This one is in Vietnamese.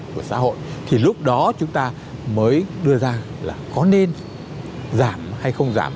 của xã hội thì lúc đó chúng ta mới đưa ra là có nên giảm hay không giảm